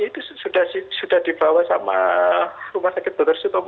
itu sudah dibawa sama rumah sakit dokter